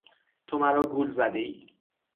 تو مرا گول زدهای!